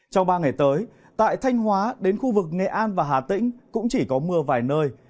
trong ba ngày tới tại thanh hóa đến khu vực nghệ an và hà tĩnh cũng chỉ có mưa vài nơi